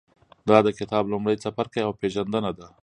دا د کتاب لومړی څپرکی او پېژندنه ده.